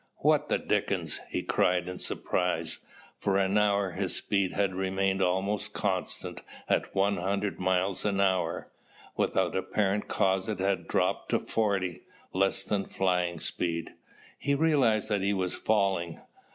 "What the dickens?" he cried in surprise. For an hour his speed had remained almost constant at one hundred miles an hour. Without apparent cause it had dropped to forty, less than flying speed. He realized that he was falling.